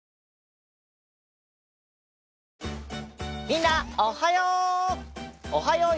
みんなおはよう！